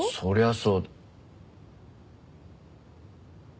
そりゃそう。